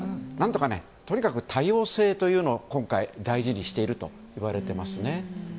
とにかく多様性というのを今回、大事にしているといわれていますね。